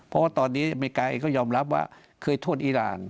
เพราะว่าตอนนี้อเมริกาเองก็ยอมรับว่าเคยโทษอีราน